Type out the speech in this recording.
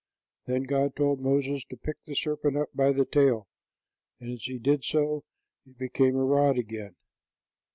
Then God told Moses to pick the serpent up by the tail, and as he did so, it became a rod again.